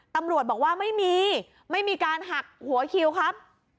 ตำรวจบอกว่าไม่มีไม่มีการหักหัวคิวครับ